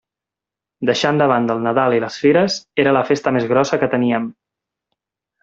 Deixant de banda el Nadal i les Fires, era la festa més grossa que teníem.